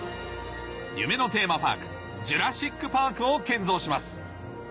夢のテーマパークジュラシック・パークを建造します